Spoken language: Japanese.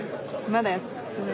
まだやってない。